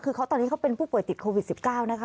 คือเขาตอนนี้เขาเป็นผู้ป่วยติดโควิด๑๙นะคะ